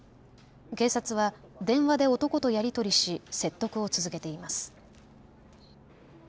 警察は電話で男とやり取りし説得を続けています。